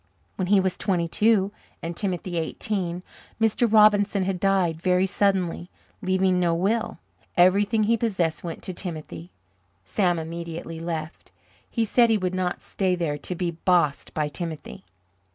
When he was twenty two and Timothy eighteen, Mr. Robinson had died very suddenly, leaving no will. Everything he possessed went to Timothy. Sam immediately left. He said he would not stay there to be "bossed" by Timothy.